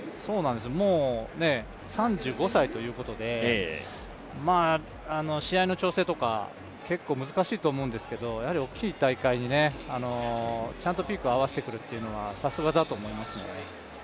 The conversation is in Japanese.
もう３５歳ということで試合の調整とか結構難しいと思うんですけどやはり大きい大会にちゃんとピークを合わせてくるというのはさすがだと思います。